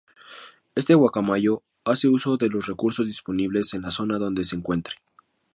Este guacamayo hace uso de los recursos disponibles en la zona donde se encuentre.